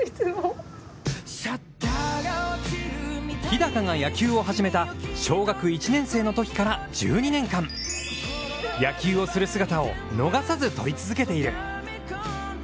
日高が野球を始めた小学１年生のときから１２年間野球をする姿を逃さず撮り続けている。